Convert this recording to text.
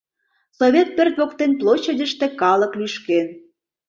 Совет пӧрт воктен площадьыште калык лӱшкен.